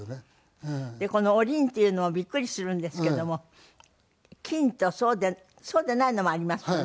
このおりんっていうのはびっくりするんですけれども金とそうでないのもありますよね。